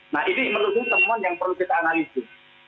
nah ini menurutku teman yang perlu kita analisis